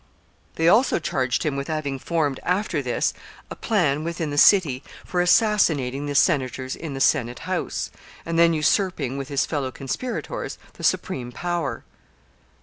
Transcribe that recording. They also charged him with having formed, after this, a plan within the city for assassinating the senators in the senate house, and then usurping, with his fellow conspirators, the supreme power.